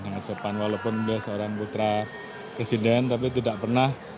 sangat sopan walaupun beliau seorang putra presiden tapi tidak pernah